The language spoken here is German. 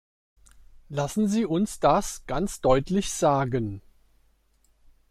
Lassen Sie uns das ganz deutlich sagen.